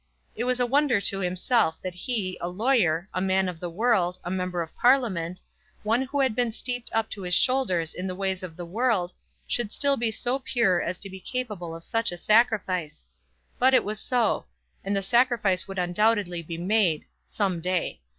It was a wonder to himself that he, a lawyer, a man of the world, a member of Parliament, one who had been steeped up to his shoulders in the ways of the world, should still be so pure as to be capable of such a sacrifice. But it was so; and the sacrifice would undoubtedly be made, some day.